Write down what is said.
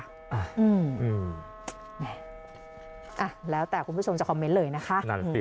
อ่ะแล้วแต่คุณผู้ชมจะคอมเมนต์เลยนะคะนั่นสิ